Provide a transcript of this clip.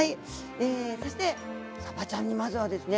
えそしてさばちゃんにまずはですね